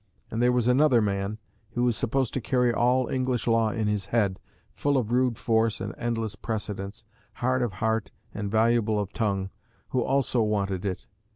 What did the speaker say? And there was another man, who was supposed to carry all English law in his head, full of rude force and endless precedents, hard of heart and voluble of tongue, who also wanted it.